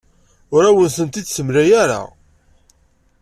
Ur awen-tent-id-temla ara.